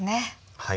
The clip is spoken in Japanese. はい。